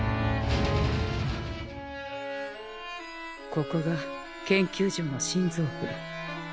ここが研究所の心臓部。